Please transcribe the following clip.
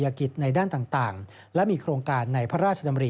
กิจในด้านต่างและมีโครงการในพระราชดำริ